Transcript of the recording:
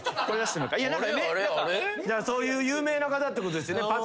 そういう有名な方ってことですよね